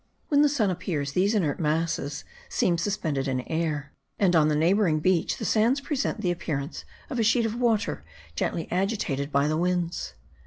When the sun appears these inert masses seem suspended in air; and on the neighbouring beach the sands present the appearance of a sheet of water gently agitated by the winds.